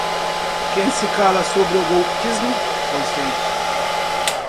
Quem se cala sobre o golpismo, consente